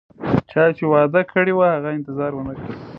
چا چې وعده کړي وه، هغه انتظار ونه کړ